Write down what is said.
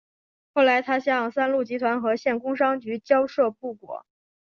后来他向三鹿集团和县工商局交涉不果。